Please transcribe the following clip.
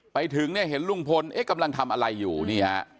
ไปถึงเนี่ยเห็นลุงพลเอ๊ะกำลังทำอะไรอยู่นี่ฮะ